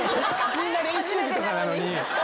みんな練習着とかなのに。